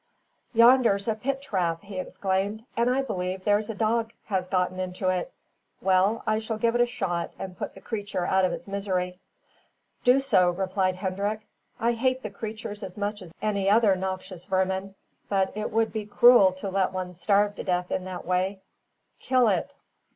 "Yonder's a pit trap!" he exclaimed, "and I believe there's a dog has got into it. Well, I shall give it a shot, and put the creature out of its misery." "Do so," replied Hendrik. "I hate the creatures as much as any other noxious vermin, but it would be cruel to let one starve to death in that way. Kill it."